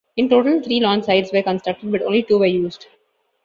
In total, three launch sites were constructed, but only two were used.